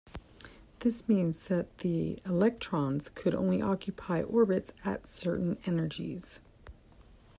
This meant that the electrons could only occupy orbits at certain energies.